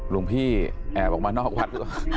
ลูกพี่แอบออกมานอกวัด